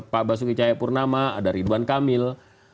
pak basuki cahayapurnama ada ridwan kamil